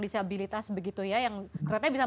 disabilitas begitu ya yang keretanya bisa